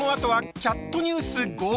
「キャットニュース５５」